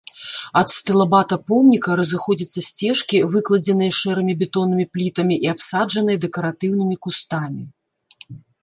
Ад стылабата помніка разыходзяцца сцежкі, выкладзеныя шэрымі бетоннымі плітамі і абсаджаныя дэкаратыўнымі кустамі.